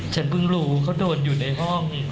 ฉันเพิ่งรู้เขาโดนอยู่ในห้อง